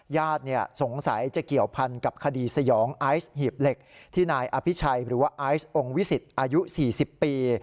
ญาติสงสัยจะเกี่ยวพันกับคดีสยองไอซ์หีบเหล็กที่นายอภิชัยหรือว่าไอซ์องค์วิสิตอายุ๔๐ปี